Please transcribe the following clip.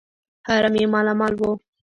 حرم یې مالامال وو.